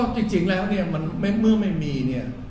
จริงแล้วเรื่องไม่มีเนี้ย